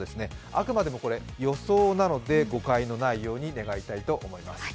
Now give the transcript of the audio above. あくまでもこれ、予想なので誤解のないよう願いたいと思います。